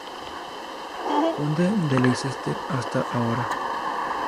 Conde de Leicester, hasta ahora.